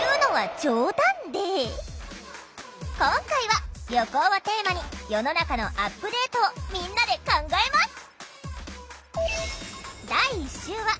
今回は「旅行」をテーマに世の中のアップデートをみんなで考えます！